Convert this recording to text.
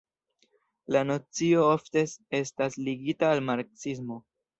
La nocio ofte estas ligita al marksismo.